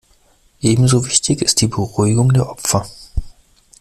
Ebenso wichtig ist die Beruhigung der Opfer.